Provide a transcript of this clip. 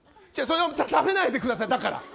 食べないでください、だから。